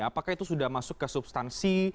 apakah itu sudah masuk ke substansi